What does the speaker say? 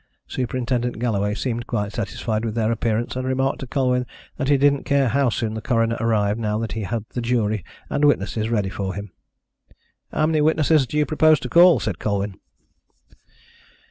Superintendent Galloway seemed quite satisfied with their appearance, and remarked to Colwyn that he didn't care how soon the coroner arrived now he had the jury and witnesses ready for him. "How many witnesses do you propose to call?" said Colwyn.